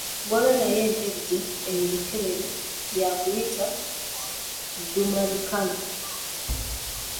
Gw'olya naye enkejje enjokerere, y’akuyita ddumabikalu.